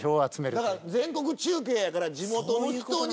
だから全国中継やから地元の人に。